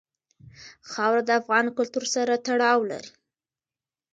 خاوره د افغان کلتور سره تړاو لري.